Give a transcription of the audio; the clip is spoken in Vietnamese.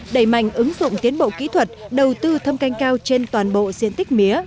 đẩy mạnh ứng dụng tiến bộ kỹ thuật đầu tư thâm canh cao trên toàn bộ diện tích mía